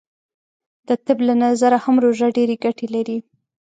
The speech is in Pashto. د طب له نظره هم روژه ډیرې ګټې لری .